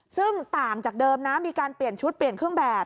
ซึ่งต่างจากเดิมนะมีการเปลี่ยนชุดเปลี่ยนเครื่องแบบ